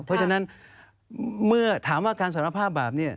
เพราะฉะนั้นเมื่อถามว่าการสารภาพแบบนี้